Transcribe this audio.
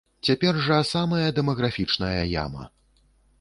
Цяпер жа самая дэмаграфічная яма.